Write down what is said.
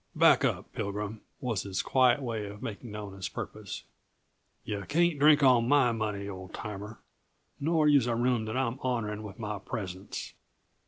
"Back up, Pilgrim," was his quiet way of making known his purpose. "Yuh can't drink on my money, old timer, nor use a room that I'm honoring with my presence.